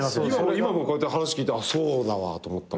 今もこうやって話聞いてあっそうだわって思ったもん。